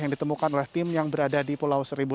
yang ditemukan oleh tim yang berada di pulau seribu